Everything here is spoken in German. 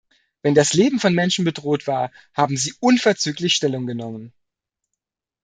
Wenn das Leben von Menschen bedroht war, haben Sie unverzüglich Stellung genommen.